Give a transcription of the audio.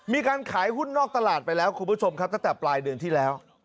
มีการขายหุ้นนอกตลาดไปแล้วคุณผู้ชมครับตั้งแต่ปลายเดือนที่แล้ว